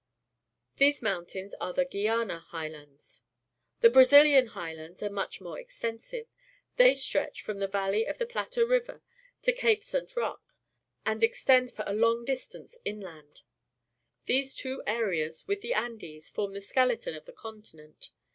These mountams are the Chiiana Highlands. The Brazilian High , Iwids are much more extensive. They stretch from the valley of the Plata River, to Cape St. Roque and extend for a long dis tance inland. These two areas, with the Andes, form the skeleton of the continent.